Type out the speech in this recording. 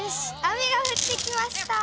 雨がふってきました。